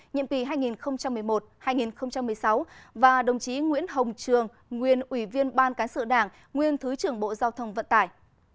nhiệm kỳ hai nghìn một mươi một hai nghìn một mươi sáu và đồng chí nguyễn hồng trường nguyên ủy viên ban cán sự đảng nguyên thứ trưởng bộ giao thông vận tải